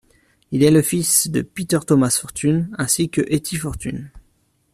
Il est le fils de Peter Thomas Fortune, ainsi que Hetty fortune.